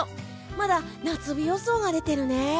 まだ夏日予想が出ているね。